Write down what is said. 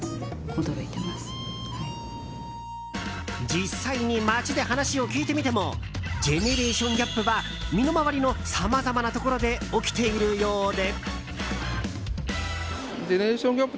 実際に街で話を聞いてみてもジェネレーションギャップは身の回りのさまざまなところで起きているようで。